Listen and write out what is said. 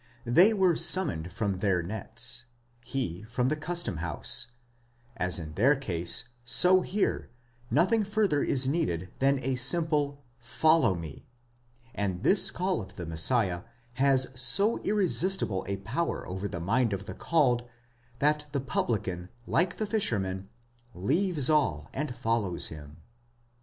They were summoned from their nets; he from the custom house; as in their case, so here, nothing further is needed than a simple follow me; and this call of the Messiah has so ftresistible a power over the mind of the called, that the publican, like the fishermen, eaves all, and follows him.